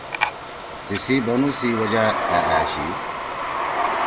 تیِسی بنُو سی وجہ أ أشی۔